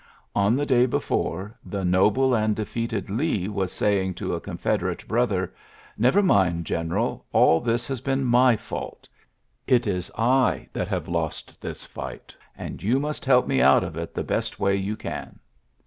On the day before, the noble and defeated Lee was saying to a Confederate brother, "Ifever mind, general, all this has been my fault : it is I that have lost this fight, and you must help me out of it the best way you can."